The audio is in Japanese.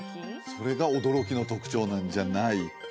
それが驚きの特徴なんじゃないか